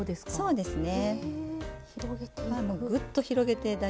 そうですね。